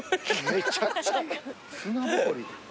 めちゃくちゃ砂ぼこり。